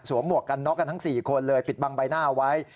หมวกกันน็อกกันทั้ง๔คนเลยปิดบังใบหน้าเอาไว้